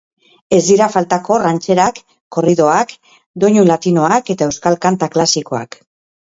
Ez dira faltako rantxerak, korridoak, doinu latinoak eta euskal kanta klasikoak.